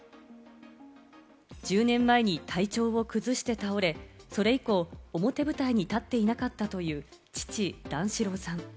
１０年前に体調を崩して倒れ、それ以降、表舞台に立っていなかったという、父・段四郎さん。